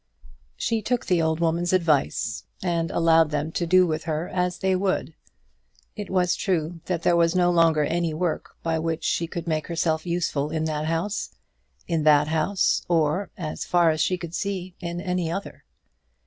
She took the old woman's advice, and allowed them to do with her as they would. It was true that there was no longer any work by which she could make herself useful in that house, in that house, or, as far as she could see, in any other.